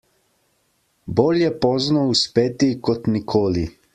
Bolje pozno uspeti kot nikoli.